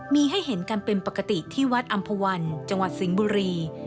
มีให้เห็นกันเป็นปกติที่วัดอำภาวันจังหวัดสิงห์บุรี